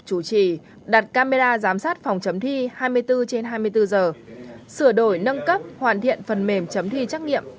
đủ chỉ đặt camera giám sát phòng chấm thi hai mươi bốn trên hai mươi bốn h sửa đổi nâng cấp hoàn thiện phần mềm chấm thi trắc nghiệm